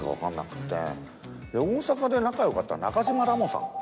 大阪で仲良かった中島らもさん。